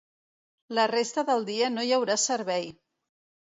La resta del dia no hi haurà servei.